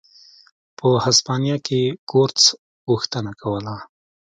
په هسپانیا کې کورتس غوښتنه کوله.